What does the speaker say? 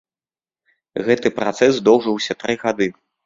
Гэты працэс доўжыўся тры гады.